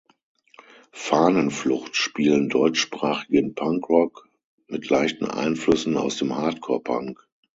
Fahnenflucht spielen deutschsprachigen Punkrock mit leichten Einflüssen aus dem Hardcore Punk.